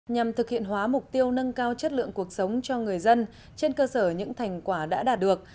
nhằm thực hiện hóa mục tiêu nâng cao chất lượng cuộc sống cho người dân trên cơ sở những thành quả đã đạt được